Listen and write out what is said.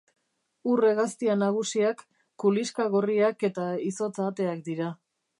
Ur-hegaztia nagusiak kuliska gorriak eta izotz-ahateak dira.